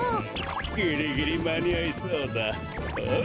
ぎりぎりまにあいそうだ。ああ？